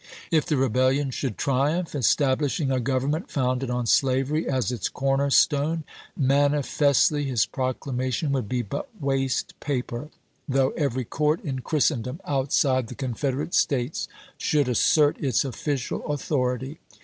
If the rebelHon should triumph, establishing a govern ment founded on slavery as its corner stone, mani festly his proclamation would be but waste paper, though every court in Christendom outside the THE EDICT OF FREEDOM 437 Confederate States should assert its official author chap. xix. ity.